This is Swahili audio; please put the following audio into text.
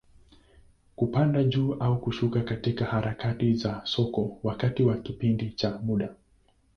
Kupanda juu au kushuka katika harakati za soko, wakati wa kipindi cha muda.